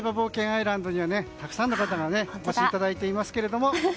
アイランドにはたくさんの方にお越しいただいています。